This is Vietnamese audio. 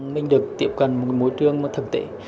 mình được tiệm cần một mối trường thực tế